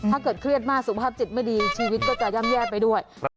เครียดมากสุขภาพจิตไม่ดีชีวิตก็จะย่ำแย่ไปด้วย